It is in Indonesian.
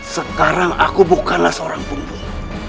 sekarang aku bukanlah seorang punggung